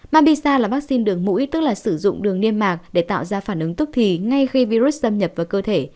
mamisa là vaccine đường mũi tức là sử dụng đường niêm mạc để tạo ra phản ứng tức thì ngay khi virus xâm nhập vào cơ thể